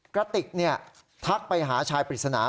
กระติกทักไปหาชายปริศนา